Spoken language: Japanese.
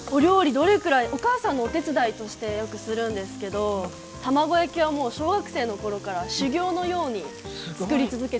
お母さんのお手伝いとしてよくするんですけど卵焼きはもう小学生の頃から修業のように作り続けてます。